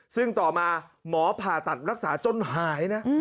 ซึ่งต่อมาหมอผ่าตัดรักษาจนหายนะ